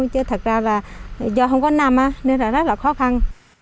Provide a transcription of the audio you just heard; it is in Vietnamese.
chứ thật ra là do không có năm nên là rất là khó khăn